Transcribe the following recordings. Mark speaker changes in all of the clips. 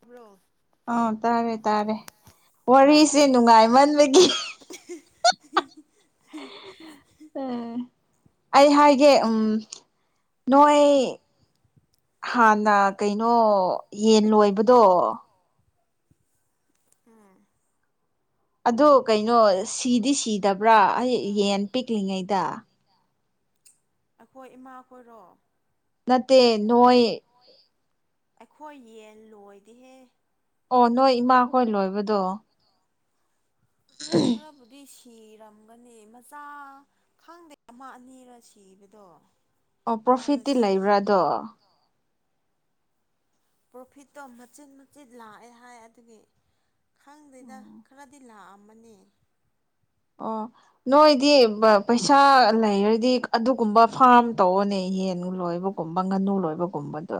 Speaker 1: ꯍ꯭ꯔꯣ [inaudible] [unintelligible]
Speaker 2: ꯑꯥ ꯇꯥꯔꯦ ꯇꯥꯔꯦ ꯋꯥꯔꯤꯁꯦ ꯅꯨꯡꯉꯥꯏꯃꯟꯕꯒꯤ
Speaker 1: [unintelligible] [inaudible]
Speaker 2: ꯑꯝ [inaudible] ꯑꯩ ꯍꯥꯏꯒꯦ ꯎꯝ ꯅꯣꯏꯣꯏ ꯍꯥꯟꯅ ꯀꯩꯅꯣ ꯌꯦꯟ ꯂꯣꯏꯕꯗꯣ
Speaker 1: ꯎꯝ
Speaker 2: ꯑꯗꯣ ꯀꯩꯅꯣ ꯁꯤꯗꯤ ꯁꯤꯗꯕ꯭ꯔꯥ ꯑꯩ ꯌꯦꯟ ꯄꯤꯛꯂꯤꯉꯩꯗ
Speaker 1: ꯑꯩꯈꯣꯏ ꯏꯃꯥꯈꯣꯏꯔꯣ
Speaker 2: ꯅꯠꯇꯦ ꯅꯣꯏꯣꯏ
Speaker 1: ꯑꯩꯈꯣꯏ ꯌꯦꯟ ꯂꯣꯏꯗꯤꯍꯦ
Speaker 2: ꯑꯣ ꯅꯣꯏ ꯏꯃꯥꯈꯣꯏ ꯂꯣꯏꯕꯗꯣ
Speaker 1: ꯈꯔꯞ ꯍꯧꯗꯤꯁ ꯁꯤꯔꯝꯒꯅꯤ ꯃꯆꯥ ꯈꯪꯗꯦ ꯑꯃ ꯑꯅꯤꯔꯣ ꯁꯤꯕꯗꯣ
Speaker 2: ꯑꯣ
Speaker 1: ꯌꯥꯝꯅ
Speaker 2: ꯄ꯭ꯔꯣꯐꯤꯠꯇꯤ
Speaker 1: ꯁꯤ
Speaker 2: ꯂꯩꯕ꯭ꯔꯥꯗꯣ
Speaker 1: ꯄ꯭ꯔꯣꯐꯤꯠꯇꯣ ꯃꯆꯤꯟꯠ ꯃꯆꯤꯟ ꯂꯥꯛꯑꯦ ꯍꯥꯏ ꯑꯗꯨꯒꯤ ꯈꯪꯗ꯭ꯔꯦꯗ ꯈꯔꯗꯤ ꯂꯥꯛꯑꯝꯃꯅꯦ
Speaker 2: ꯑꯣ ꯅꯣꯏꯗꯤ ꯄꯩꯁꯥ ꯂꯩꯔꯗꯤ ꯑꯗꯨꯒꯨꯝꯕ ꯐꯥꯔꯝ ꯇꯧꯕꯅꯦ ꯌꯦꯟ ꯂꯣꯏꯕꯒꯨꯝꯕ ꯉꯥꯅꯨ ꯂꯣꯏꯕꯒꯨꯝꯕꯗꯣ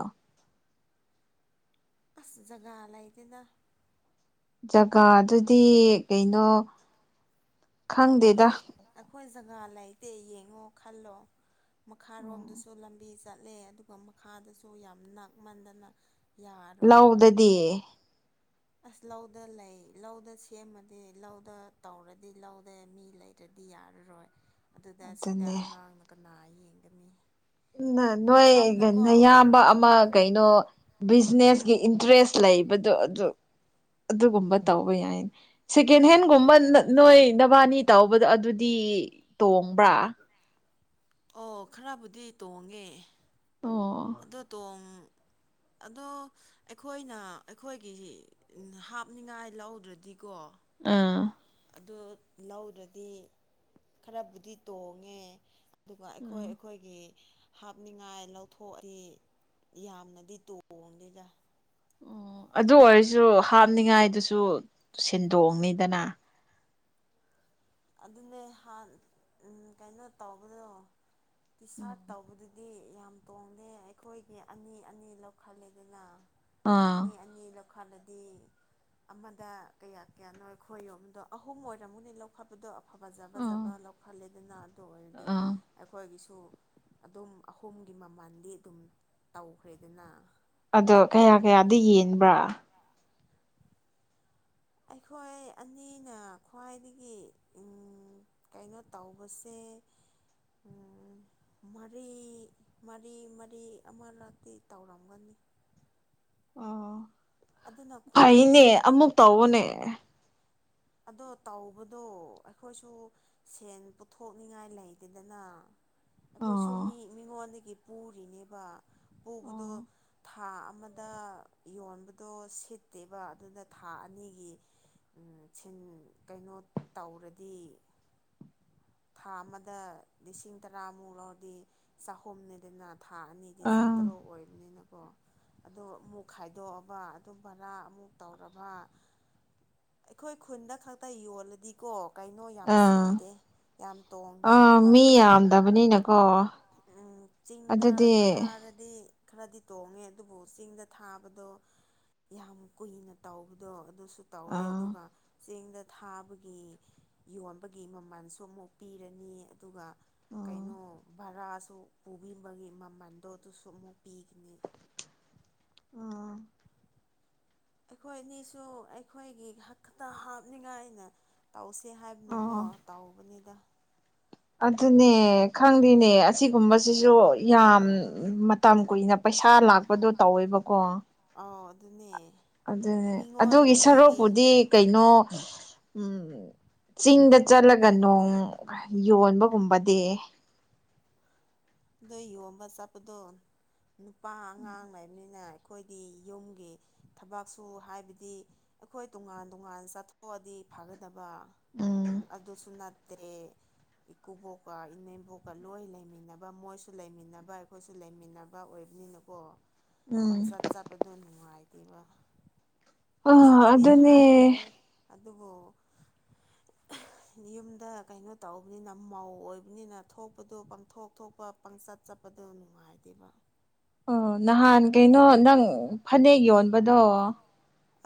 Speaker 1: ꯑꯁ ꯖꯒꯥ ꯂꯩꯗꯦꯅ
Speaker 2: ꯖꯒꯥꯗꯨꯗꯤ ꯀꯩꯅꯣ ꯈꯪꯗꯦꯗ
Speaker 1: ꯑꯩꯈꯣꯏ ꯑꯩꯈꯣꯏ ꯖꯒꯥ ꯂꯩꯇꯦ ꯌꯦꯡꯉꯣ ꯈꯜꯂꯣ ꯃꯈꯥꯔꯣꯝꯗꯁꯨ ꯂꯝꯕꯤ ꯆꯠꯂꯦ ꯑꯗꯨꯒ ꯃꯈꯥꯗꯁꯨ ꯌꯥꯝ ꯅꯛꯃꯟꯗꯅ ꯌꯥꯔꯣꯏꯕ
Speaker 2: ꯂꯧꯗꯗꯤ
Speaker 1: ꯑꯁ ꯂꯧꯗ ꯂꯩ ꯂꯧꯗ ꯁꯦꯝꯃꯗꯤ ꯂꯧꯗ ꯇꯧꯔꯗꯤ ꯂꯧꯗ ꯃꯤ ꯂꯩꯔꯗꯤ ꯗꯤ ꯌꯥꯔꯔꯣꯏ ꯑꯗꯨꯗ ꯁꯤꯗ
Speaker 2: ꯑꯗꯨꯅꯦ
Speaker 1: ꯑꯉꯥꯡꯅ ꯀꯅꯥꯏ
Speaker 2: ꯎꯝ ꯅꯣꯏ
Speaker 1: ꯃꯐꯝꯅꯀꯣ
Speaker 2: ꯑꯌꯥꯝꯕ ꯑꯃ ꯀꯩꯅꯣ ꯕꯤꯖꯤꯅꯦꯁ ꯒꯤ ꯏꯟꯇꯔꯦꯁ ꯂꯩꯕꯗꯣ ꯑꯗꯨ ꯑꯗꯨꯒꯨꯝꯕ ꯇꯧꯕ ꯌꯥꯏ ꯁꯦꯀꯦꯟ ꯍꯦꯟꯒꯨꯝꯕ ꯅꯣꯏ ꯅꯕꯥꯅꯤ ꯇꯧꯕꯗ ꯑꯗꯨꯗꯤ ꯇꯣꯡꯕ꯭ꯔꯥ
Speaker 1: ꯑꯣ ꯈꯔꯕꯨꯗꯤ ꯇꯣꯡꯉꯦ
Speaker 2: ꯑꯣ
Speaker 1: ꯑꯗꯣ ꯇꯣꯡ ꯑꯗꯣ ꯑꯩꯈꯣꯏꯅ ꯑꯩꯈꯣꯏꯒꯤ ꯍꯥꯞꯅꯤꯡꯉꯥꯏ ꯂꯧꯗ꯭ꯔꯗꯤꯀꯣ
Speaker 2: ꯑꯥ
Speaker 1: ꯑꯗꯨ ꯂꯧꯗꯗꯤ ꯈꯔꯕꯨꯗꯤ ꯇꯣꯡꯉꯦ ꯑꯗꯨꯒ ꯑꯩꯈꯣꯏ ꯑꯩꯈꯣꯏꯒꯤ ꯍꯥꯞꯅꯤꯡꯉꯥꯏ ꯂꯧꯊꯣꯛꯑꯗꯤ ꯌꯥꯝꯅꯗꯤ ꯇꯣꯡꯗꯦꯗ
Speaker 2: ꯎ ꯑꯗꯨ ꯑꯣꯏꯔꯁꯨ ꯍꯥꯞꯅꯤꯡꯉꯥꯏꯗꯨꯁꯨ ꯁꯦꯟꯗꯣꯡꯅꯤꯗꯅ
Speaker 1: ꯑꯗꯨꯅꯦ ꯍꯥꯟ ꯎ ꯀꯩꯅꯣ ꯇꯧꯕꯗꯣ ꯇꯤ ꯁꯥꯔꯠ ꯇꯧꯕꯗꯨꯗꯤ ꯗꯤ ꯌꯥꯝ ꯇꯣꯡꯗꯦ ꯑꯩꯈꯣꯏꯒꯤ ꯑꯅꯤ ꯑꯅꯤ ꯂꯧꯈꯠꯂꯦꯗꯅ
Speaker 2: ꯑꯥ
Speaker 1: ꯑꯅꯤ ꯑꯅꯤ ꯂ ꯃꯈꯜꯗꯗꯤ ꯑꯃꯗ ꯀꯌꯥ ꯀꯌꯥꯅꯣ ꯑꯩꯈꯣꯏ ꯌꯣꯝꯗꯣ ꯑꯍꯨꯝ ꯑꯣꯏꯔꯝꯃꯨꯅꯦ ꯂꯧ ꯂꯧꯈꯠꯄꯗꯣ ꯑꯐꯕ ꯖ ꯐ
Speaker 2: ꯑꯥ
Speaker 1: ꯖꯕ ꯂꯧꯈꯠꯂꯦꯗꯅ ꯑꯗꯨ ꯑꯣꯏꯔꯗꯤ
Speaker 2: ꯑꯥ
Speaker 1: ꯑꯩꯈꯣꯏꯒꯤ ꯁꯨ ꯑꯗꯨꯝ ꯑꯍꯨꯝꯒꯤ ꯃꯃꯜꯗꯤ ꯑꯗꯨꯝ ꯇꯧꯈ꯭ꯔꯦ ꯑꯗꯨꯅ
Speaker 2: ꯑꯗꯣ ꯀꯌꯥ ꯀꯌꯥꯗ ꯌꯦꯟꯕ꯭ꯔꯥ
Speaker 1: ꯑꯩꯈꯣꯏ ꯑꯅꯤꯅ ꯈ꯭ꯋꯥꯏꯗꯒꯤ ꯀꯩꯅꯣ ꯇꯧꯕꯁꯦ ꯍ ꯎꯝ ꯃꯔꯤ ꯃꯔꯤ ꯃꯔꯤ ꯑꯃꯔꯛꯇꯤ ꯇꯧꯔꯝꯒꯅꯤ [unintelligible]
Speaker 2: ꯑꯣ
Speaker 1: ꯑꯗꯨꯅ
Speaker 2: ꯐꯩꯅꯦ
Speaker 1: ꯈ꯭ꯋꯥꯏꯗꯒꯤ
Speaker 2: ꯑꯃꯨꯛ ꯇꯧꯕꯅꯦ
Speaker 1: ꯑꯗꯣ ꯇꯧꯕꯗꯣ ꯑꯩꯈꯣꯏꯁꯨ ꯁꯦꯟ ꯄꯨꯊꯣꯛꯅꯤꯡꯉꯥꯏ ꯂꯩꯇꯦꯗꯅ ꯑꯩꯈꯣꯏꯁꯨ
Speaker 2: ꯑꯣ
Speaker 1: ꯃꯤ ꯃꯤꯉꯣꯟꯗꯒꯤ ꯄꯨꯔꯤꯅꯦꯕ ꯄꯨꯕꯗꯣ
Speaker 2: ꯑꯣ
Speaker 1: ꯊꯥ ꯑꯃꯗ ꯌꯣꯟꯕꯗꯣ ꯁꯤꯠꯇꯦꯕ ꯑꯗꯨꯅ ꯊꯥ ꯑꯅꯤꯒꯤ ꯁꯤꯟ ꯀꯩꯅꯣ ꯇꯧꯔꯗꯤ ꯊꯥ ꯑꯃꯗ ꯂꯤꯁꯤꯡ ꯇꯔꯥꯃꯨꯛ ꯂꯧꯔꯗꯤ ꯆꯍꯨꯝꯅꯤꯗꯅ ꯊꯥ ꯑꯅꯤꯗꯤ
Speaker 2: ꯑꯥ
Speaker 1: ꯆꯥꯇꯔꯨꯛ ꯑꯣꯏꯕꯅꯤꯅꯀꯣ ꯑꯗꯣ ꯑꯃꯨꯛ ꯈꯥꯏꯗꯣꯛꯑ ꯑꯗꯨ ꯚꯔꯥ ꯑꯃꯨꯛ ꯇꯧꯔꯕ ꯑꯩꯈꯣꯏ ꯈꯨꯟꯗ ꯈꯛꯇ ꯌꯣꯜꯂꯗꯤꯀꯣ ꯀꯩꯅꯣ ꯌꯥꯝ
Speaker 2: ꯑꯥ
Speaker 1: ꯁꯤꯠꯇꯦ ꯌꯥꯝ ꯇꯣꯡꯗꯦ
Speaker 2: ꯑꯥ
Speaker 1: ꯑꯗꯨꯒ
Speaker 2: ꯃꯤ ꯌꯥꯝꯗꯕꯅꯤꯅꯀꯣ
Speaker 1: ꯆꯤꯡꯗ
Speaker 2: ꯑꯗꯨꯗꯤ
Speaker 1: ꯊꯥꯔꯗꯤ ꯈꯔꯗꯤ ꯇꯣꯡꯉꯦ ꯑꯗꯨꯕꯨ ꯆꯤꯡꯗ ꯊꯥꯕꯗꯣ ꯌꯥꯝ ꯀꯨꯏꯅ ꯇꯧꯕꯗꯣ ꯑꯗꯨꯁꯨ ꯇꯧꯔꯦ
Speaker 2: ꯑꯥ
Speaker 1: ꯑꯗꯨꯒ ꯆꯦꯡꯗ ꯊꯥꯕꯒꯤ ꯌꯣꯟꯕꯒꯤ ꯃꯃꯜꯁꯨ ꯑꯃꯨꯛ ꯄꯤꯔꯅꯤ ꯑꯗꯨꯒ
Speaker 2: ꯑꯥ
Speaker 1: ꯀꯩꯅꯣ ꯚꯔꯥꯥꯁ ꯁꯨ ꯄꯨꯕꯤꯕꯒꯤ ꯃꯃꯟꯗꯣ ꯑꯗꯨꯁꯨ ꯑꯃꯨꯛ ꯄꯤꯒꯅꯤ
Speaker 2: ꯑꯥ
Speaker 1: ꯑꯩꯈꯣꯏ ꯑꯅꯤꯁꯨ ꯑꯩꯈꯣꯏꯒꯤ ꯈꯛꯇ ꯍꯥꯞꯅꯤꯡꯉꯥꯏꯅ ꯇꯧꯁ ꯁꯤ ꯍꯥꯏꯕꯅꯣꯀꯣ
Speaker 2: ꯑꯣ
Speaker 1: ꯇꯥꯎꯧꯕꯅꯤꯗ
Speaker 2: ꯑꯗꯨꯅꯦ ꯈꯪꯗꯦꯅꯦ ꯑꯁꯤꯒꯨꯝꯕꯁꯤꯁꯨ ꯌꯥꯝ ꯃꯇꯝ ꯀꯨꯏꯅ ꯄꯩ ꯄꯩꯁꯥ ꯂꯥꯛꯄꯗꯣ ꯇꯧꯋꯦꯕꯀꯣ
Speaker 1: ꯑꯣ ꯑꯗꯨꯅꯦ
Speaker 2: ꯑꯗꯨꯅꯦ
Speaker 1: ꯃꯤꯉꯣꯟ
Speaker 2: ꯑꯗꯨꯒꯤ
Speaker 1: ꯃꯤꯒꯤ
Speaker 2: ꯁꯔꯨꯛꯄꯨꯗꯤ ꯀꯩꯅꯣ ꯎꯝ ꯆꯤꯡꯗ ꯆꯠꯂꯒ ꯅꯣꯡ ꯌꯣꯟꯕꯒꯨꯝꯕꯗꯤ
Speaker 1: ꯑꯣ ꯌꯣꯟꯕ ꯆꯠꯄꯗꯣ ꯅꯨꯄꯥ ꯑꯉꯥꯡ ꯂꯩꯕꯅꯤꯅ ꯑꯩꯈꯣꯏꯗꯤ ꯌꯨꯝꯒꯤ ꯊꯕꯛꯁꯨ ꯍꯥꯏꯕꯗꯤ ꯑꯩꯈꯣꯏ ꯇꯣꯉꯥꯟ ꯇꯣꯉꯥꯟ ꯆꯠꯊꯣꯛꯑꯗꯤ ꯐꯥꯒꯗꯕ
Speaker 2: ꯎꯝ
Speaker 1: ꯑꯗꯨꯁꯨ ꯇꯦ ꯏꯀꯨꯕꯣꯛꯀ ꯏꯅꯦꯝꯕꯣꯛꯀ ꯂꯣꯏ ꯂꯩꯃꯤꯟꯅꯕ ꯃꯣꯏꯁꯨ ꯂꯩꯃꯤꯟꯅꯕ ꯑꯩꯈꯣꯏꯁꯨ ꯂꯩꯃꯤꯟꯅꯕ ꯑꯣꯏꯕꯅꯤꯅꯀꯣ
Speaker 2: ꯎꯝ
Speaker 1: ꯄꯪꯆꯠ ꯆꯠꯄꯗꯣ ꯅꯨꯡꯉꯥꯏꯇꯦꯕ
Speaker 2: ꯑ
Speaker 1: ꯀꯩꯁꯨꯕꯨꯗꯤ
Speaker 2: ꯑꯗꯨꯅꯦ
Speaker 1: ꯍꯥꯏꯔꯣꯏ ꯑꯗꯨꯕꯨ ꯌꯨꯝꯗ ꯀꯩꯅꯣ ꯇꯧꯕꯅꯤꯅ ꯃꯧ ꯑꯣꯏꯕꯅꯤꯅ ꯊꯣꯛꯄꯗꯣ ꯄꯥꯡꯊꯣꯛ ꯊꯣꯛ ꯄꯪꯆꯠ ꯆꯠꯄꯗꯣ ꯅꯨꯡꯉꯥꯏꯗꯦꯕ
Speaker 2: ꯑꯣ ꯅꯍꯥꯟ ꯀꯩꯅꯣ ꯅꯪ ꯐꯅꯦꯛ ꯌꯣꯟꯕꯗꯣ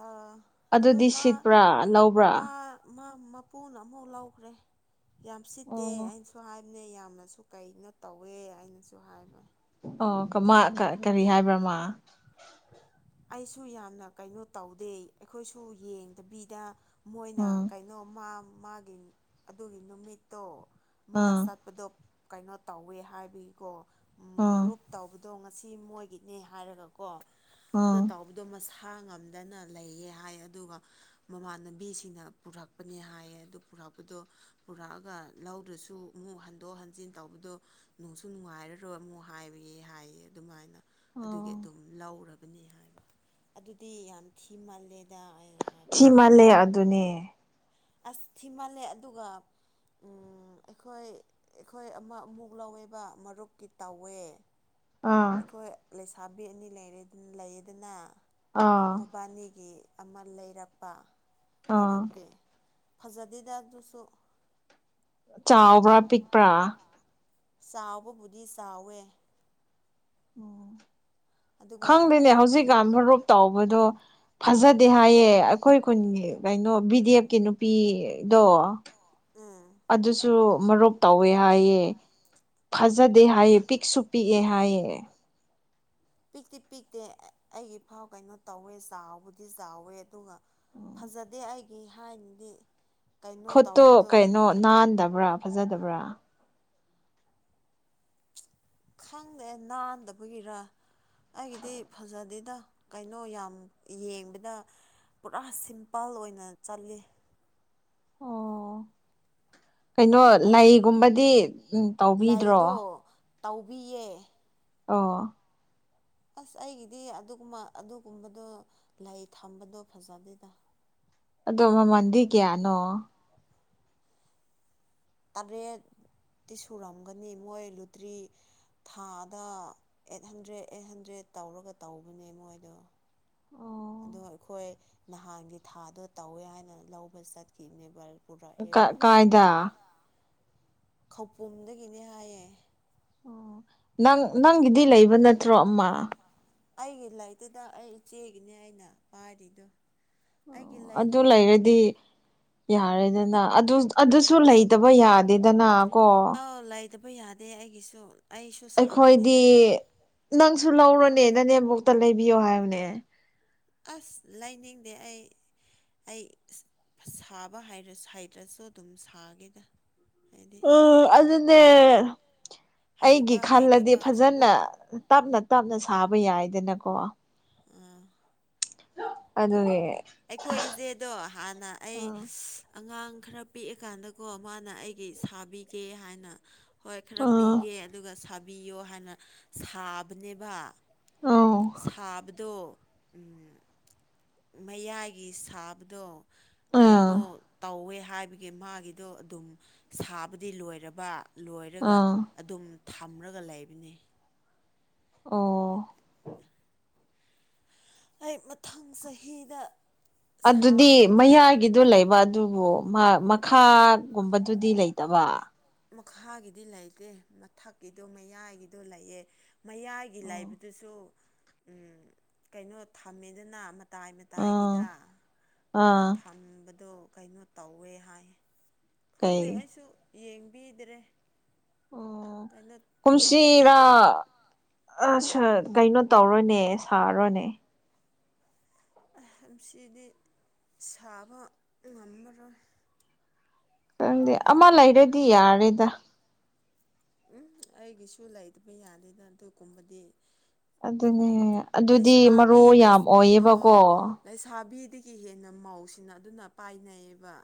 Speaker 1: ꯑꯥ ꯑꯗꯣ
Speaker 2: ꯑꯗꯨꯗꯤ
Speaker 1: ꯃꯥ
Speaker 2: ꯁꯤꯠꯄ꯭ꯔꯥ ꯂꯧꯕ꯭ꯔꯥ
Speaker 1: ꯃꯥ ꯃꯄꯨꯅ ꯑꯃꯐꯥꯎ ꯂꯧꯈ꯭ꯔꯦ ꯌꯥꯝ ꯁꯤꯠꯇꯦ
Speaker 2: ꯑꯣ
Speaker 1: ꯑꯩꯅꯁꯨ ꯍꯥꯏ ꯑꯅꯦ ꯌꯥꯝꯅꯁꯨ ꯀꯩꯅꯣ ꯇꯧꯋꯦ ꯍꯥꯏꯅꯁꯨ ꯍꯥꯏꯕ꯫
Speaker 2: ꯑꯣ ꯀꯃ ꯀꯔꯤ ꯍꯥꯏꯕ꯭ꯔ ꯃꯥ꯫
Speaker 1: ꯑꯩꯁꯨ ꯌꯥꯝꯅ ꯀꯩꯅꯣ ꯇꯧꯗꯦ ꯑꯩꯈꯣꯏꯁꯨ ꯌꯦꯡꯗꯕꯤꯗ꯫ ꯃꯣꯏꯅ
Speaker 2: ꯎꯝ
Speaker 1: ꯀꯩꯅꯣ ꯃꯥꯒꯤ ꯑꯗꯨꯒꯤ ꯅꯨꯃꯤꯠꯇꯣ꯫ ꯃꯥ
Speaker 2: ꯑꯥ
Speaker 1: ꯆꯠꯄꯗꯣ ꯀꯩꯅꯣ ꯇꯧꯋꯦ ꯍꯥꯏꯕꯒꯤꯀꯣ
Speaker 2: ꯑꯥ
Speaker 1: ꯃꯔꯨꯞ ꯇꯧꯕ ꯑꯗꯣ ꯉꯁꯤ ꯃꯣꯏꯒꯤꯅꯦ ꯍꯥꯏꯔꯒꯀꯣ ꯑꯗꯣ
Speaker 2: ꯑꯥ
Speaker 1: ꯇꯧꯕꯗꯣ ꯃꯁꯥ꯫ ꯁꯥ ꯉꯝꯗꯅ ꯂꯩꯌꯦ ꯍꯥꯏ ꯑꯗꯨꯒ ꯃꯃꯥꯟꯅꯕꯤꯁꯤꯡꯅ ꯄꯨꯔꯛꯄꯅꯦ ꯍꯥꯏꯌꯦ ꯑꯗꯨ꯫ ꯄꯨꯔꯛꯄꯗꯣ ꯄꯨꯔꯛꯑꯒ ꯂꯧꯗꯔꯁꯨ ꯑꯃꯨꯛ ꯍꯟꯗꯣꯛ ꯍꯟꯖꯤꯟ ꯇꯧꯕꯗꯣ ꯅꯨꯡꯁꯨ ꯅꯨꯡꯉꯥꯏ ꯔꯣꯏ ꯑꯃꯨꯛ ꯍꯥꯏꯕꯒꯤ ꯍꯥꯏꯌꯦ ꯑꯗꯨꯃꯥꯏꯅ꯫ ꯑꯗꯨꯒꯤ
Speaker 2: ꯑꯥ
Speaker 1: ꯑꯗꯨꯝ ꯂꯧꯔꯕꯅꯤ ꯍꯥꯏꯕ ꯑꯗꯨꯗꯤ ꯌꯥꯝ ꯊꯤ ꯃꯥꯜꯂꯦꯗ꯫
Speaker 2: ꯊꯤ ꯃꯥꯜꯂꯦ ꯑꯗꯨꯅꯦ
Speaker 1: ꯑꯁ ꯊꯤꯃꯜꯂꯦ ꯑꯗꯨꯒ꯫ ꯎ ꯑꯩꯈꯣꯏ ꯑꯩꯈꯣꯏ ꯑꯃ ꯑꯃꯨꯛ ꯂꯧꯋꯦꯕ ꯃꯔꯨꯞꯀꯤ ꯇꯧꯋꯦ꯫
Speaker 2: ꯑꯥ
Speaker 1: ꯑꯩꯈꯣꯏ ꯂꯩꯁꯥꯕꯤ ꯑꯅꯤ ꯂꯩꯔꯦ ꯂꯩꯌꯦꯗꯅ꯫
Speaker 2: ꯑꯥ
Speaker 1: ꯃꯕꯥꯅꯤꯒꯤ ꯑꯃ ꯂꯩꯔꯛꯄ
Speaker 2: ꯑꯥ
Speaker 1: ꯃꯔꯨꯞꯀꯤ꯫ ꯐꯖꯗꯦꯗ ꯑꯗꯨꯁꯨ꯫
Speaker 2: ꯆꯥꯎꯕ꯭ꯔꯥ ꯄꯤꯛꯄ꯭ꯔꯥ꯫
Speaker 1: ꯆꯥꯎꯕꯕꯨꯗꯤ ꯆꯥꯎꯋꯦ꯫
Speaker 2: ꯑꯣ
Speaker 1: ꯑꯗꯨꯒ
Speaker 2: ꯈꯪꯗꯦꯅꯦ ꯍꯧꯖꯤꯛꯀꯥꯟ ꯃꯥꯔꯨꯞ ꯇꯥꯎꯕꯗꯣ꯫ ꯐꯖꯗꯦ ꯍꯥꯏꯌꯦ ꯑꯩꯈꯣꯏ ꯈꯨꯟꯒꯤ ꯀꯩꯅꯣ ꯕꯤꯗꯦꯞꯀꯤ ꯅꯨꯄꯤꯗꯣ꯫
Speaker 1: ꯎꯝ
Speaker 2: ꯑꯗꯨꯁꯨ ꯃꯔꯨꯞ ꯇꯧꯋꯦ ꯍꯥꯏꯌꯦ꯫ ꯐꯖꯗꯦ ꯍꯥꯏꯌꯦ ꯄꯤꯛꯁꯨ ꯄꯤꯛꯑꯦ ꯍꯥꯏꯌꯦ꯫
Speaker 1: ꯄꯤꯛꯇꯤ ꯄꯤꯛꯇꯦ ꯑꯩꯒꯤ ꯐꯥꯎ ꯀꯩꯅꯣ ꯇꯧꯋꯦ ꯆꯥꯎꯕꯨꯗꯤ ꯆꯥꯎꯋꯦ ꯑꯗꯨꯒ꯫ ꯐꯖꯗꯦ ꯑꯩꯒꯤ ꯍꯥꯏꯅꯗꯤ꯫ ꯀꯩꯅꯣ
Speaker 2: ꯈꯨꯠꯇꯣ
Speaker 1: ꯇꯧꯕꯗꯣ
Speaker 2: ꯀꯩꯅꯣ ꯅꯥꯟꯗꯕ꯭ꯔꯥ ꯐꯖꯗꯕ꯭ꯔꯥ꯫
Speaker 1: ꯈꯪꯗꯦ ꯅꯥꯟꯗꯕꯒꯤꯔ ꯑꯩꯒꯤꯗꯤ ꯐꯖꯗꯦ꯫ ꯗ ꯀꯩꯅꯣ ꯌꯥꯝ ꯌꯦꯡꯕꯗ ꯄꯨꯔꯥ ꯁꯤꯝꯄꯜ ꯑꯣꯏꯅ ꯆꯜꯂꯤꯠꯂꯤ
Speaker 2: ꯑꯣ ꯀꯩꯅꯣ
Speaker 1: ꯑꯩꯈꯣꯏ
Speaker 2: ꯂꯩꯒꯨꯝꯕꯗꯤ ꯎꯝ ꯇꯧꯕꯤꯗ꯭ꯔꯣ
Speaker 1: ꯂꯩꯗꯣ ꯇꯧꯕꯤꯌꯦ
Speaker 2: ꯑ
Speaker 1: ꯑꯁ ꯑꯩꯒꯤꯗꯤ ꯑꯗꯨꯒꯨꯝꯕ ꯑꯗꯨꯒꯨꯝꯕꯗꯣ ꯂꯩ ꯊꯝꯕꯗꯣ ꯐꯖꯗꯦꯗ
Speaker 2: ꯑꯗꯣ ꯃꯃꯟꯗꯤ ꯀꯌꯥꯅꯣ
Speaker 1: ꯇꯔꯦ ꯇꯤ ꯁꯨꯔꯝꯒꯅꯤ ꯃꯣꯏ ꯂꯨꯇ꯭ꯔꯤ ꯊꯥꯗ ꯑꯩꯠ ꯍꯟꯗ꯭ꯔꯦꯗ ꯑꯩꯠ ꯍꯟꯗ꯭ꯔꯦꯠ ꯇꯧꯔꯒ ꯇꯧꯕꯅꯦ ꯃꯣꯏꯗꯣ ꯑꯗꯣ ꯑꯩꯈꯣꯏ ꯅꯍꯥꯟꯒꯤ ꯊꯥꯗꯣ ꯇꯧꯋꯦ ꯍꯥꯏꯅ ꯂꯧꯕ ꯆꯠꯈꯤꯕꯅꯦꯕꯔ
Speaker 2: ꯀ ꯀꯥꯏꯗ
Speaker 1: ꯈꯧꯄꯨꯝꯗꯒꯤꯅꯦ ꯍꯥꯏꯌꯦ
Speaker 2: ꯑꯣ ꯅꯪ ꯅꯪꯒꯤꯗꯤ ꯂꯩꯕ ꯅꯠꯇ꯭ꯔꯣ ꯑꯃ
Speaker 1: ꯑꯩꯒꯤ ꯂꯥꯏꯔꯤꯠꯇꯨꯗ ꯑꯩ ꯏꯆꯦꯒꯤꯅꯦ ꯑꯩꯅ ꯄꯥꯏꯔꯤꯗꯣ ꯑꯩꯒꯤ
Speaker 2: ꯑꯣ ꯑꯗꯨ
Speaker 1: ꯂꯩꯇ꯭ꯔꯤ
Speaker 2: ꯂꯩꯔꯗꯤ ꯌꯥꯔꯦꯗꯅ ꯑꯗꯨ ꯑꯗꯨꯁꯨ ꯂꯩꯇꯕ ꯌꯥꯗꯦꯗꯅ ꯀꯣ
Speaker 1: ꯑꯥꯎ ꯂꯩꯗꯕ ꯌꯥꯗꯦ ꯑꯩꯒꯤꯁꯨ ꯑꯩꯁꯨ ꯁꯥꯒꯅꯤꯗ
Speaker 2: ꯑꯩꯈꯣꯏꯗꯤ ꯅꯪꯁꯨ ꯂꯧꯔꯅꯦ ꯅꯅꯦꯦꯝꯕꯨꯣꯛꯛꯇ ꯂꯩꯕꯤꯌꯣ ꯍꯥꯏꯕꯅꯦ
Speaker 1: ꯑꯁ ꯂꯥꯏꯅꯤꯡꯗꯦ ꯑꯩ ꯑꯩ ꯁꯥꯕ ꯍꯥꯏꯔ ꯁꯥꯏꯗꯁꯨ ꯑꯗꯨꯝ ꯁꯥꯒꯦꯗ ꯍꯥꯏꯗꯤ
Speaker 2: ꯎꯝ ꯑꯗꯨꯗꯅꯦꯦ ꯑꯩꯒꯤ
Speaker 1: ꯍꯩꯕ
Speaker 2: ꯈꯜꯂꯗꯤ
Speaker 1: ꯍꯩꯇꯕ
Speaker 2: ꯐꯖꯅ
Speaker 1: ꯑꯁꯣꯄꯅꯤ
Speaker 2: ꯇꯞꯅ ꯇꯞꯅ ꯁꯥꯕ ꯌꯥꯏꯗꯅꯀꯣ
Speaker 1: ꯑꯥ
Speaker 2: ꯑꯗꯨꯗ
Speaker 1: ꯑꯩꯈꯣꯏ ꯏꯆꯦꯗꯣ ꯍꯥꯟꯅ ꯑꯩ
Speaker 2: ꯑꯥ
Speaker 1: ꯑꯉꯥꯡ ꯈꯔ ꯄꯤꯛꯑꯀꯥꯟꯗꯀꯣ ꯃꯥꯅ ꯑꯩꯒꯤ ꯁꯥꯕꯤꯒꯦ ꯍꯥꯏꯅ ꯍꯣꯏ ꯈꯔ
Speaker 2: ꯑꯥ
Speaker 1: ꯄꯤꯒꯦ ꯑꯗꯨꯒ ꯁꯥꯕꯤꯌꯣ ꯍꯥꯏꯅ ꯁꯥꯕꯅꯦꯕ
Speaker 2: ꯑꯧ
Speaker 1: ꯁꯥꯕꯗꯣ ꯎ ꯃꯌꯥꯏꯒꯤ ꯁꯥꯕꯗꯣ
Speaker 2: ꯑꯥ
Speaker 1: ꯀꯩꯅꯣ ꯇꯧꯋꯦ ꯍꯥꯏ ꯍꯥꯏꯕꯒꯤ ꯃꯥꯒꯤꯗꯣ ꯑꯗꯨꯝ ꯁꯥꯕꯗꯤ ꯂꯣꯏꯔꯕ ꯂꯣꯏꯔꯒ
Speaker 2: ꯑꯥ
Speaker 1: ꯑꯗꯨꯝ ꯊꯝꯂꯒ ꯂꯩꯕꯅꯤ
Speaker 2: ꯑꯣ
Speaker 1: ꯑꯩ ꯃꯊꯪ ꯆꯍꯤꯗ
Speaker 2: ꯑꯗꯨꯗꯤ
Speaker 1: ꯁꯥꯔꯅꯤ
Speaker 2: ꯃꯌꯥꯒꯤꯗꯨꯣ ꯂꯩꯕ ꯑꯗꯨꯕꯨ ꯃꯥ ꯃꯈꯥꯒꯨꯝꯕꯗꯨꯗꯤ ꯂꯩꯇꯕ
Speaker 1: ꯃꯈꯥꯒꯤꯗꯤ ꯂꯩꯇꯦ ꯃꯊꯛꯀꯤꯗꯣ ꯃꯌꯥꯏꯒꯤꯗꯣ ꯂꯩꯑꯦ ꯃꯌꯥꯏꯒꯤ
Speaker 2: ꯑꯣ
Speaker 1: ꯂꯩꯥꯏꯕꯗꯨꯁꯨ ꯀꯩꯅꯣ ꯊꯝꯃꯦꯗꯅ ꯇꯥꯏꯃ
Speaker 2: ꯑꯥ
Speaker 1: ꯇꯥꯏꯒꯤꯗ ꯑꯗꯣ
Speaker 2: ꯑꯥ
Speaker 1: ꯊꯝꯕꯗꯣ ꯀꯩꯅꯣ ꯇꯧꯋꯦ ꯍꯥꯏ ꯈꯪꯗꯦ
Speaker 2: ꯀꯩ
Speaker 1: ꯑꯩꯁꯨ ꯄꯤꯗꯔꯦ
Speaker 2: ꯑꯣ
Speaker 1: ꯇꯧꯋꯦ
Speaker 2: ꯀꯨꯝꯁꯤꯔꯥ
Speaker 1: ꯍꯥꯏ
Speaker 2: ꯑꯁ ꯀꯩꯅꯣ ꯇꯧꯔꯣꯅꯦ ꯁꯥꯔꯣꯅꯦ
Speaker 1: ꯁꯤꯗꯤ ꯁꯥꯕ ꯉꯝꯃꯔꯣꯏ
Speaker 2: ꯈꯪꯗꯦ
Speaker 1: ꯑꯩ
Speaker 2: ꯑꯃ ꯂꯩꯔꯗꯤ ꯌꯥꯔꯦꯗ
Speaker 1: ꯎꯝ ꯑꯩꯒꯤꯁꯨ ꯂꯩꯇꯕ ꯌꯥꯗꯦꯅ ꯑꯗꯨꯒꯨꯝꯕꯗꯤ
Speaker 2: ꯑꯗꯨꯅꯦ ꯑꯗꯨꯗꯤ ꯃꯔꯨ
Speaker 1: ꯂꯩꯁꯥꯕꯤ
Speaker 2: ꯌꯥꯝ ꯑꯣꯏꯌꯦꯕꯀꯣ
Speaker 1: ꯑꯗꯨꯒꯤ ꯍꯦꯟꯅ ꯃꯧꯁꯤꯅ ꯑꯗꯨꯅ ꯄꯥꯏꯅꯩꯑꯌꯦꯕ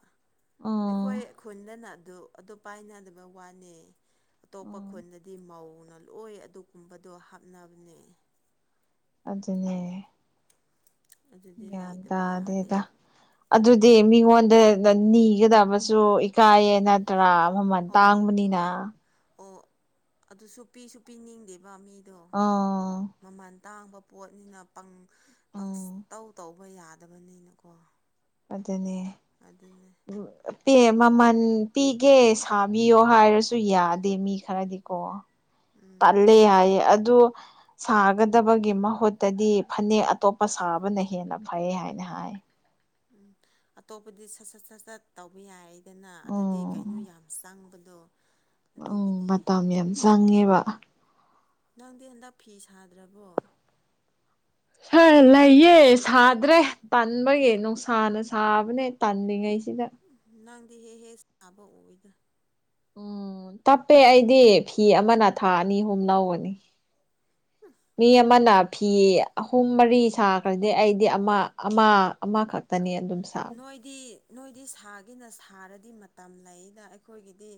Speaker 1: ꯑꯩꯈꯣꯏ
Speaker 2: ꯎꯝ
Speaker 1: ꯈꯨꯟꯗꯅ ꯑꯗꯨ ꯑꯗꯨ ꯄꯥꯏꯅꯗꯕ ꯋꯥꯅꯦ ꯑꯇꯣꯞꯄ
Speaker 2: ꯎꯝ
Speaker 1: ꯈꯨꯟꯗꯗꯤ ꯃꯧꯅꯤ ꯂꯣꯏ ꯑꯗꯨꯒꯨꯝꯕꯗꯣ ꯍꯥꯞꯅꯕꯅꯦ
Speaker 2: ꯑꯗꯨꯅꯦ
Speaker 1: ꯑꯗꯨꯗꯤ
Speaker 2: ꯌꯥꯒ꯭ꯌꯥꯟ
Speaker 1: ꯂꯩꯇꯕ ꯌꯥꯗꯦ
Speaker 2: ꯇꯗꯦꯗ ꯑꯗꯨꯗꯤ ꯃꯤꯉꯣꯟ ꯅꯤꯒꯗꯕꯁꯨ ꯏꯀꯥꯏꯌꯦ ꯅꯠꯇ꯭ꯔꯥ ꯃꯃꯜ
Speaker 1: ꯑꯣ
Speaker 2: ꯇꯥꯡꯕꯅꯤꯅ
Speaker 1: ꯑꯣ ꯑꯗꯨꯁꯨ ꯄꯤꯁꯨ ꯄꯤꯅꯤꯡꯗꯦꯕ ꯃꯤ
Speaker 2: ꯑꯥ
Speaker 1: ꯇꯥꯡꯕ ꯄꯣꯠꯅꯤꯅ
Speaker 2: ꯎꯝ
Speaker 1: ꯄꯪꯇꯧ ꯇꯧꯕ ꯌꯥꯗꯕꯅꯤꯅꯀꯣ
Speaker 2: ꯑꯗꯨꯅꯦ
Speaker 1: ꯑꯗꯨꯅꯦ
Speaker 2: ꯄꯦ ꯃꯃꯜ ꯄꯤꯒꯦ ꯁꯥꯕꯤꯌꯣ ꯍꯥꯏꯔꯁꯨ ꯌꯥꯗꯦ ꯃꯤ ꯈꯔꯗꯤꯀꯣ
Speaker 1: ꯎꯝ
Speaker 2: ꯇꯜꯂꯦ ꯍꯥꯏꯌꯦ ꯑ ꯑꯗꯨ ꯁꯥꯒꯗꯕꯒꯤ ꯃꯍꯨꯠꯇꯗꯤ ꯍꯥꯏ
Speaker 1: [unintelligible] ꯎꯝ ꯑꯇꯣꯞꯄꯗꯤ ꯁꯠ ꯁꯠ ꯁꯠ ꯁꯠ ꯇꯧꯕ ꯌꯥꯏꯗꯅ ꯑꯗꯨꯗꯤ ꯀꯩꯅꯣ
Speaker 2: ꯎꯝ
Speaker 1: ꯌꯥꯝ ꯆꯪꯕꯅꯤ
Speaker 2: ꯎꯝ ꯃꯇꯝ ꯌꯥꯝ ꯆꯪꯉꯦꯕ
Speaker 1: ꯅꯪꯗꯤ ꯍꯟꯗꯛ ꯐꯤ ꯁꯥꯗ꯭ꯔꯕꯣ
Speaker 2: ꯍ ꯂꯩꯌꯦ ꯁꯥꯗ꯭ꯔꯦ ꯇꯟꯕꯒꯤ ꯅꯨꯡꯁꯥꯅ ꯁꯥꯕꯅꯦ ꯇꯥꯜꯂꯤꯉꯩꯁꯦ
Speaker 1: ꯅꯪꯗꯤ ꯍꯦ ꯍꯦ ꯁꯥꯕ ꯎꯏꯗ
Speaker 2: ꯎꯝ ꯇꯞꯄꯦ ꯑꯩꯗꯤ ꯐꯤ ꯑꯃꯅ ꯊꯥ ꯑꯅꯤ ꯑꯍꯨꯝ ꯂꯧꯕꯅꯤ ꯃꯤ ꯑꯃꯥꯅ ꯐꯤ ꯑꯍꯨꯝ ꯃꯔꯤ ꯁꯥꯈ꯭ꯔꯗꯤ ꯑꯩꯗꯤ ꯑꯃ ꯑꯃ ꯑꯃꯈꯛꯇꯅꯦ
Speaker 1: ꯅꯣꯏꯗꯤ ꯅꯣꯏꯗꯤ ꯁꯥꯒꯦꯅ ꯁꯥꯔꯗꯤ ꯃꯇꯝ ꯂꯩꯗ ꯑꯩꯈꯣꯏꯒꯤꯗꯤ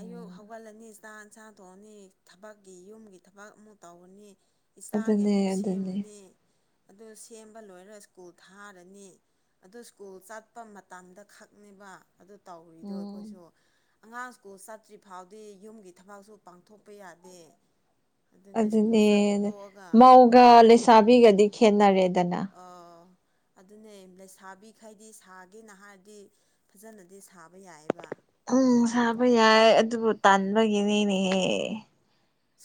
Speaker 1: ꯑꯌꯨꯛ ꯍꯧꯒꯠꯂꯅꯤ ꯆꯥꯛ ꯏꯟꯁꯥꯡ ꯊꯣꯛꯑꯅꯤ ꯊꯕꯛꯀꯤ ꯌꯨꯝꯒꯤ ꯊꯕꯛ ꯑꯃꯨꯛ ꯇꯧꯔꯅꯤ ꯏꯆꯥꯒꯤ
Speaker 2: ꯑꯗꯨꯅꯦ
Speaker 1: ꯑꯃꯨꯛ
Speaker 2: ꯑꯗꯨꯅꯦ
Speaker 1: ꯁꯦꯝꯃꯅꯤ ꯑꯗꯨ ꯁꯦꯝꯕ ꯂꯣꯏꯔꯒ ꯁ꯭ꯀꯨꯜ ꯊꯥꯔꯅꯤ ꯑꯗꯨ ꯁ꯭ꯀꯨꯜ ꯆꯠꯄ ꯃꯇꯝꯗ ꯈꯛꯅꯦꯕ ꯑꯗꯨ ꯇꯧꯔꯤꯗꯣ
Speaker 2: ꯎꯝ
Speaker 1: ꯑꯩꯈꯣꯏꯁꯨ ꯑꯉꯥꯡ ꯁ꯭ꯀꯨꯜ ꯆꯠꯇ꯭ꯔꯤ ꯐꯥꯎꯗꯤ ꯌꯨꯝꯒꯤ ꯊꯕꯛꯁꯨ ꯄꯥꯡꯊꯣꯛꯄ ꯌꯥꯗꯦ ꯑꯗꯨꯅ ꯁ꯭ꯀꯨꯜ
Speaker 2: ꯑꯗꯨꯅꯦ
Speaker 1: ꯆꯠꯇꯣꯛꯑꯒ
Speaker 2: ꯃꯧꯒ ꯂꯩꯁꯥꯕꯤꯒꯗꯤ ꯈꯦꯠꯅꯔꯦꯗꯅ
Speaker 1: ꯑꯗꯨꯅꯦ ꯂꯩꯁꯥꯕꯤ ꯈꯩꯗꯤ ꯁꯥꯒꯦꯅ ꯍꯥꯏꯔꯗꯤ ꯐꯖꯅꯗꯤ ꯁꯥꯕ ꯌꯥꯏꯌꯦꯕ
Speaker 2: ꯎꯝ ꯁꯥꯕ ꯌꯥꯏ ꯑꯗꯨꯕꯨ ꯇꯥꯟꯕꯒꯤꯅꯤꯅꯦꯍꯦ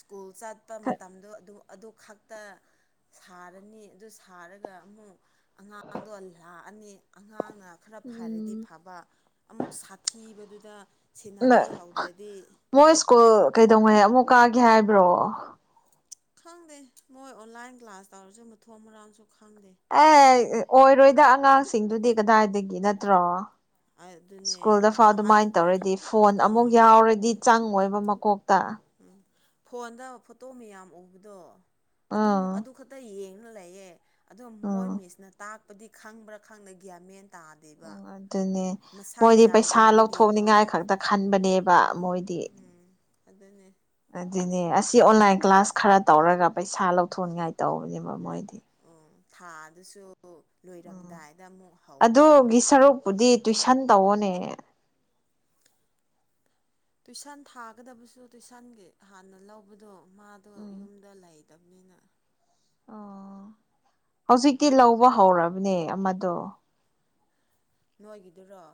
Speaker 1: ꯁ꯭ꯀꯨꯜ ꯆꯠꯄ ꯃꯇꯝꯗꯣ ꯑꯗꯨꯝ ꯑꯗꯨ ꯈꯛꯇ ꯁꯥꯔꯅꯤ ꯑꯗꯨ ꯁꯥꯔꯒ ꯑꯃꯨꯛ ꯑꯉꯥꯡꯗꯣ ꯂꯥꯛꯑꯅꯤ ꯑꯉꯥꯡꯅ ꯈꯔ ꯐꯔꯗꯤ
Speaker 2: ꯎꯝ
Speaker 1: ꯐꯕ ꯑꯃꯨꯛ ꯁꯥꯊꯤꯕꯗꯨꯗ
Speaker 2: ꯅ
Speaker 1: ꯁꯦꯟꯅꯕꯤꯍꯧꯗ꯭ꯔꯗꯤ
Speaker 2: ꯃꯣꯏ ꯁ꯭ꯀꯨꯜ ꯀꯩꯗꯧꯉꯩ ꯑꯃꯨꯛ ꯀꯥꯒꯦ ꯍꯥꯏꯕ꯭ꯔꯣ
Speaker 1: ꯈꯪꯗꯦ ꯃꯣꯏ ꯑꯣꯟꯂꯥꯏꯟ ꯀ꯭ꯂꯥꯁ ꯇꯧꯔꯁꯨ ꯃꯊꯣꯡ ꯃꯔꯥꯡꯁꯨ ꯈꯪꯗꯦ
Speaker 2: ꯑꯦ ꯑꯣꯏꯔꯣꯏꯗ ꯑꯉꯥꯡꯁꯤꯡꯗꯨꯗꯤ ꯀꯗꯥꯏꯗꯒꯤ ꯅꯠꯇ꯭ꯔꯣ
Speaker 1: ꯑꯗꯨꯅꯦ
Speaker 2: ꯁ꯭ꯀꯨꯜꯗ ꯐꯥꯎ
Speaker 1: ꯑꯍꯟ
Speaker 2: ꯑꯗꯨꯃꯥꯏꯅ ꯇꯧꯔꯗꯤ ꯐꯣꯟ ꯑꯃꯨꯛ
Speaker 1: ꯑꯥ
Speaker 2: ꯌꯥꯎꯔꯗꯤ ꯆꯪꯉꯣꯏꯕ ꯃꯀꯣꯛ ꯀꯨꯇꯥ
Speaker 1: ꯎꯝ ꯐꯣꯟꯗ ꯐꯣꯇꯣ ꯃꯌꯥꯝ ꯎꯕꯗꯣ ꯑꯗꯨꯝ
Speaker 2: ꯑꯥ
Speaker 1: ꯑꯗꯨ ꯈꯛꯇ ꯌꯦꯡꯅ ꯂꯩꯌꯦꯦ ꯑꯗꯣ ꯃꯣꯏ
Speaker 2: ꯎꯝ
Speaker 1: ꯃꯤꯁꯅ ꯇꯥꯛꯄꯗꯤ ꯈꯪꯕ꯭ꯔꯥ ꯈꯪꯗ ꯒ꯭ꯌꯥꯃꯦꯟ
Speaker 2: ꯎꯝ ꯑꯗꯨꯅꯦ ꯃꯣꯏꯗꯤ
Speaker 1: ꯌꯥꯝ
Speaker 2: ꯄꯩꯁꯥ
Speaker 1: ꯎꯕꯒꯤꯀꯣ
Speaker 2: ꯂꯧꯊꯣꯛꯅꯤꯡꯉꯥꯏ ꯈꯛꯇ ꯈꯟꯕꯅꯦꯕ ꯃꯣꯏꯗꯤ
Speaker 1: ꯎꯝ ꯑꯗꯨꯅꯦ
Speaker 2: ꯑꯗꯨꯅꯦ ꯑꯁꯤ ꯑꯣꯟꯂꯥꯏꯟ ꯀ꯭ꯂꯥꯁ ꯈꯔ ꯇꯧꯔꯒ ꯄꯩꯁꯥ ꯂꯧꯊꯣꯛꯅꯤꯉꯥꯏ ꯇꯧꯕꯅꯦꯕ ꯃꯣꯏꯗꯤ
Speaker 1: ꯊꯥ ꯑꯗꯨꯁꯨ
Speaker 2: ꯎꯝ ꯑꯗꯨꯒꯤ ꯁꯔꯨꯛꯄꯨꯗꯤ ꯇꯨꯏꯁꯟ ꯇꯧꯑꯣꯅꯦ ꯑꯦ
Speaker 1: ꯇꯨꯏꯁꯟ ꯊꯥꯒꯗꯕꯁꯨ ꯇꯨꯏꯁꯟꯒꯤ ꯍꯥꯟꯅ ꯂꯧꯕꯗꯣ ꯃꯥꯗꯣ
Speaker 2: ꯎꯝ
Speaker 1: ꯌꯨꯝꯗ ꯂꯩ ꯐꯠꯇꯕꯅꯤꯅ
Speaker 2: ꯑꯣ ꯍꯧꯖꯤꯛꯇꯤ
Speaker 1: ꯐꯔꯛ
Speaker 2: ꯂꯧꯕ ꯍꯧꯔꯕꯅꯦ ꯑꯃꯗꯣ
Speaker 1: ꯅꯣꯏꯒꯤꯗꯨꯔꯣ